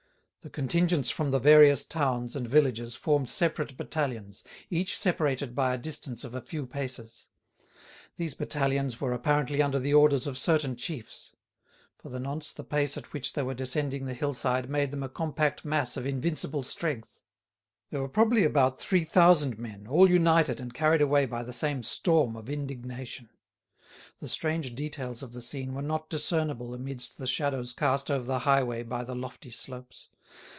The contingents from the various towns and villages formed separate battalions, each separated by a distance of a few paces. These battalions were apparently under the orders of certain chiefs. For the nonce the pace at which they were descending the hillside made them a compact mass of invincible strength. There were probably about three thousand men, all united and carried away by the same storm of indignation. The strange details of the scene were not discernible amidst the shadows cast over the highway by the lofty slopes.